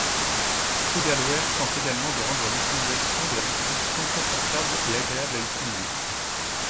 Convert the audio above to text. Frugalware tente également de rendre l'utilisation de la distribution confortable et agréable à utiliser.